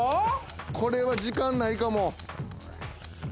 これは時間ないかも。